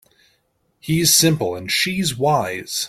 He's simple and she's wise.